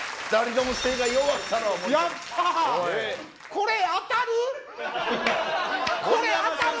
これ当たるん？